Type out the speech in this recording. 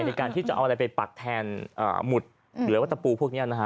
ในการที่จะเอาอะไรไปปักแทนหมุดหรือว่าตะปูพวกนี้นะฮะ